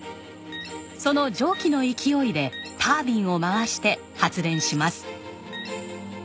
その蒸気の勢いでタービンを回して発電します。